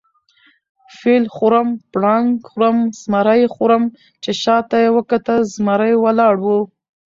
فیل خورم، پړانګ خورم، زمرى خورم . چې شاته یې وکتل زمرى ولاړ وو